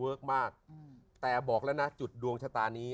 เวิร์คมากแต่บอกละนะจุดดวงชะตานี้